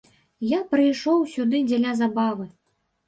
Я прыйшоў сюды дзеля забавы.